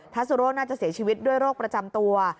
ัสซูโร่น่าจะเสียชีวิตด้วยโรคประจำตัว